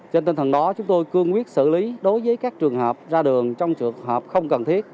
trên tinh thần đó chúng tôi cương quyết xử lý đối với các trường hợp ra đường trong trường hợp không cần thiết